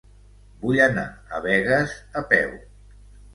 Vull anar a Begues a peu.